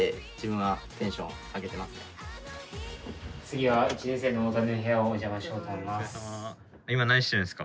次は１年生の大谷の部屋をお邪魔したいと思います。